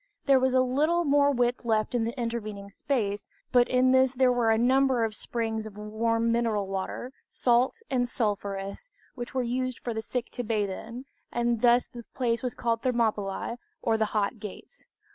There was a little more width left in the intervening space; but in this there were a number of springs of warm mineral water, salt and sulphurous, which were used for the sick to bathe in, and thus the place was called Thermopylć, or the Hot Gates.